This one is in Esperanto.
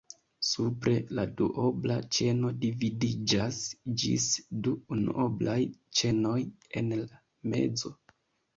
Supre la duobla ĉeno dividiĝas ĝis du unuoblaj ĉenoj en la mezo.